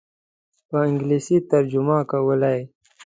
په انګلیسي ترجمه کولې.